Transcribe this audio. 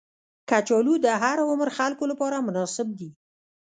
کچالو د هر عمر خلکو لپاره مناسب دي